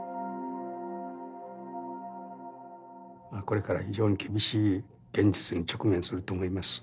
これから非常に厳しい現実に直面すると思います。